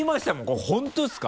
「これ本当ですか？」